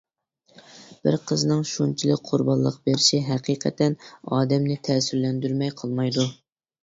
بىر قىزنىڭ شۇنچىلىك قۇربانلىق بېرىشى ھەقىقەتەن ئادەمنى تەسىرلەندۈرمەي قالمايدۇ.